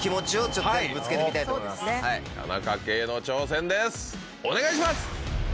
田中圭の挑戦ですお願いします！